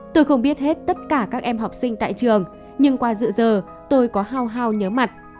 tôi không biết hết tất cả các em học sinh tại trường nhưng qua dự giờ tôi có hao hao nhớ mặt